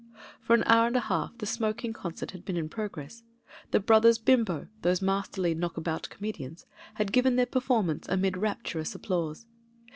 For an hour and a half the smoking concert had been in progress; the Brothers Bimbo, those masterly knock about comedians, had given their performance amid rapturous applause.